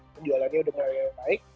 penjualannya udah mulai baik